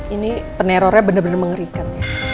ini penerornya bener bener mengerikan